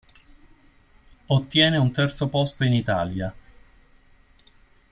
Ottiene un terzo posto in Italia.